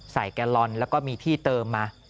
แกลลอนแล้วก็มีที่เติมมา